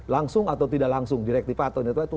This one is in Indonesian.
langsung atau tidak langsung direktif atau